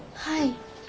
はい。